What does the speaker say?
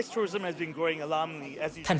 thành phố hồ chí minh